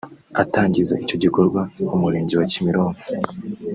Atangiza icyo gikorwa mu murenge wa Kimironko